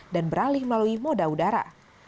dan beralih melalui moda udara